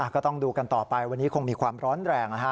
ก็ต้องดูกันต่อไปวันนี้คงมีความร้อนแรงนะฮะ